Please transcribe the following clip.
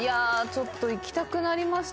ちょっと行きたくなりましたね。